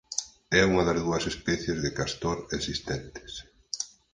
É unha das dúas especies de castor existentes.